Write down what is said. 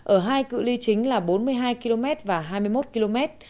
ở hai cự li chính là bốn mươi hai km và hai mươi một km